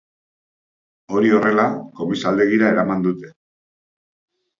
Hori horrela, komisaldegira eraman dute.